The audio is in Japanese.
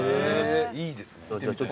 いいですね。